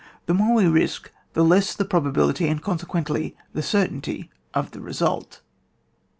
The more we risk the leas the probability, and, consequently, the cer tainty of the result.